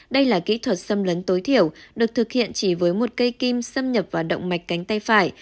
đây là kỹ thuật xâm lấn tối thiểu được thực hiện chỉ với một cây kim xâm nhập vào động mạch cánh tay phải